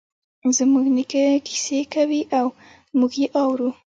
زموږ نیکه کیسې کوی او موږ یی اورو